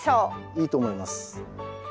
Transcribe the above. いいと思います。